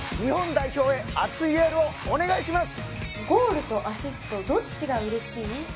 ゴールとアシストどっちが嬉しい？